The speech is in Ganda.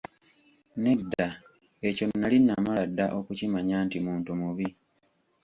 Nedda, ekyo nnali namala dda okukimanya nti muntu mubi.